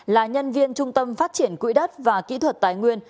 là nhân viên trung tâm phát triển quỹ đất và kỹ thuật tài nguyên